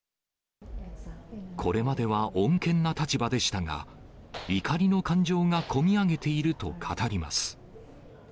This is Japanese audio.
これまでは穏健な立場でしたが、怒りの感情が込み上げていると語ります。